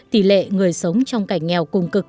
tỷ lệ người sống trong cảnh nghèo cùng cực